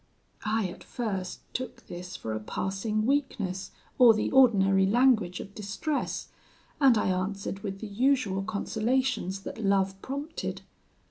"I, at first, took this for a passing weakness, or the ordinary language of distress; and I answered with the usual consolations that love prompted.